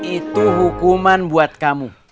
itu hukuman buat kamu